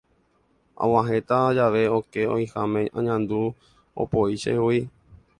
Ag̃uahẽta jave okẽ oĩháme añandu opoi chehegui.